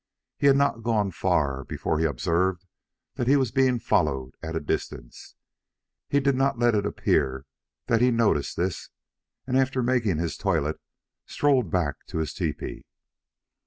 He had not gone far before he observed that he was being followed at a distance. He did not let it appear that he noticed this, and after making his toilet strolled back to his tepee.